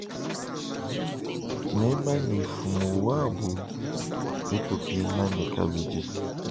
Mema ni mfumu wabu netupingane kabidi.